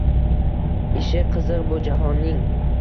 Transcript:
Ishi qiziq bu jahonning